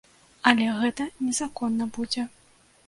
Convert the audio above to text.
Але гэта незаконна будзе.